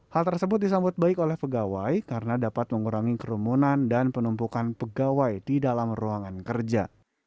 hal tersebut disambut baik oleh pegawai karena dapat mengurangi kerumunan dan penumpukan pegawai di dalam ruangan kerja